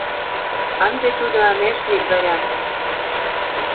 Ынде тудо ынеж лий дворянке